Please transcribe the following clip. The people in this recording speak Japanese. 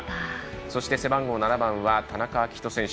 そして背番号７番は田中章仁選手。